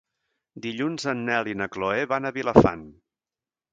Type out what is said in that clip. Dilluns en Nel i na Chloé van a Vilafant.